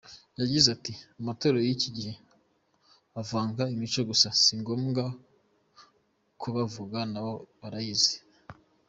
Yagize ati “Amatorero y’iki gihe avanga imico gusa si ngombwa kubavuga nabo bariyizi .